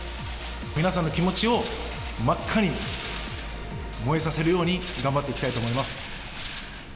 皆さんの気持ちを真っ赤に燃えさせるように頑張っていきたいと思います。